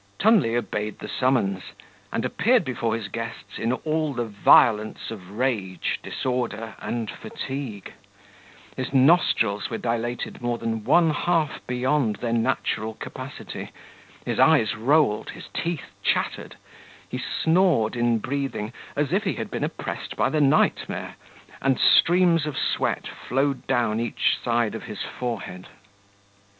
Tunley obeyed the summons, and appeared before his guests in all the violence of rage, disorder, and fatigue: his nostrils were dilated more than one half beyond their natural capacity, his eyes rolled, his teeth chattered, he snored in breathing as if he had been oppressed by the nightmare, and streams of sweat flowed down each side of his forehead.